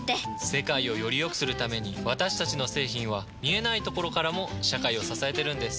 世界をよりよくするために私たちの製品は見えないところからも社会を支えてるんです。